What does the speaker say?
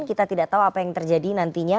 kita tidak tahu apa yang terjadi nantinya